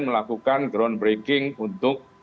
melakukan groundbreaking untuk